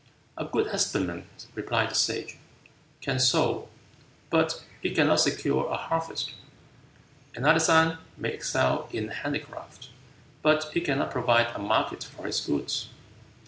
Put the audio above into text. "A good husbandman," replied the Sage, "can sow, but he cannot secure a harvest. An artisan may excel in handicraft, but he cannot provide a market for his goods.